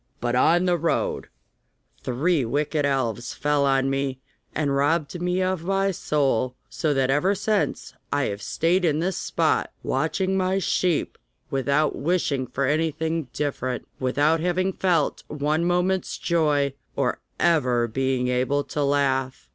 But on the road three wicked elves fell on me, and robbed me of my soul, so that ever since I have stayed in this spot watching my sheep without wishing for anything different, without having felt one moment's joy, or ever once being able to laugh.